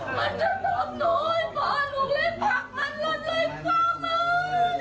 มันจะตบหนูหนูเรียกผักมันลดเลย